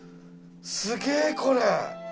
すげぇこれ。